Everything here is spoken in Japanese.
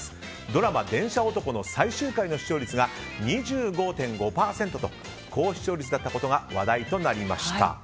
ドラマ「電車男」の最終回の視聴率が２５．５％と高視聴率だったことが話題となりました。